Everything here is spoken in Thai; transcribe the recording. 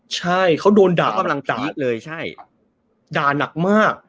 ใช่เขาโดนด่าด่าหนักมาก